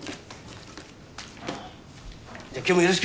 じゃあ今日もよろしく。